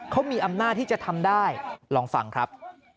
เขามีอำนาจที่จะทำได้ลองฟังครับ